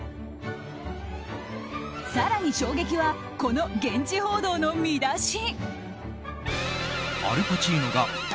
更に衝撃はこの現地報道の見出し。